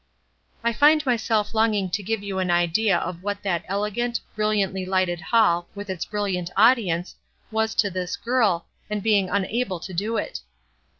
I find myself longing to give you an idea of what that elegant, brilliantly lighted hall, with its brilliant audience, was to this girl, and being unable to do it.